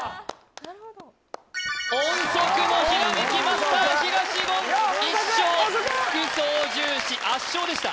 音速のひらめきマスター東言１勝副操縦士圧勝でした